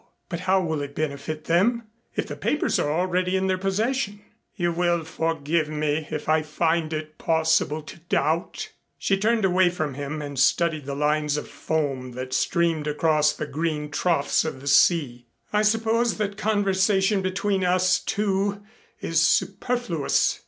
"But how will it benefit them, if the papers are already in their possession?" "You will forgive me if I find it possible to doubt." She turned away from him and studied the lines of foam that streamed across the green troughs of the sea. "I suppose that conversation between us two is superfluous.